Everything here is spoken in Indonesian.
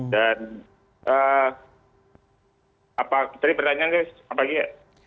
dan apa tadi pertanyaannya